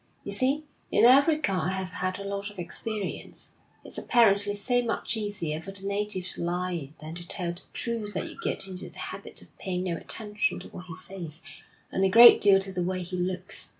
You see, in Africa I have had a lot of experience; it's apparently so much easier for the native to lie than to tell the truth that you get into the habit of paying no attention to what he says, and a great deal to the way he looks.'